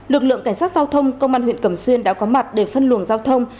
lực lượng cảnh sát giao thông công an huyện cẩm xuyên đã có mặt để phân luồng giao thông